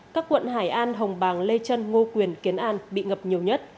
các quận hải an hồng bàng lê trân ngô quyền kiến an bị ngập nhiều nhất